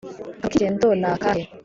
Akamaro k’ingendo nakahe